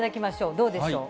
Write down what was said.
どうでしょう。